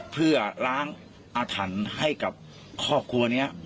เพื่อล้างอาถรรพ์ให้กับครอบครัวนี้